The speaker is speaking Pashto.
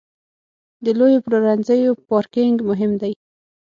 د لویو پلورنځیو پارکینګ مهم دی.